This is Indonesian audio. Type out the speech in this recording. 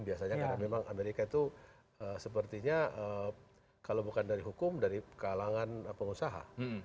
biasanya karena memang amerika itu sepertinya kalau bukan dari hukum dari kalangan pengusaha